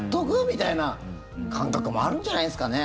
みたいな感覚もあるんじゃないですかね。